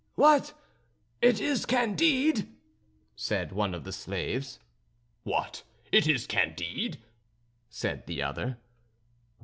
"What! it is Candide!" said one of the slaves. "What! it is Candide!" said the other.